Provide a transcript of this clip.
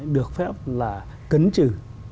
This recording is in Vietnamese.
được phép là cấn trừ